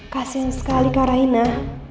kasian sekali karaina